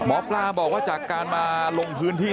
หมอปลาบอกว่าจากการมาลงพื้นที่